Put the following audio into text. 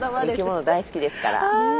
生きもの大好きですから。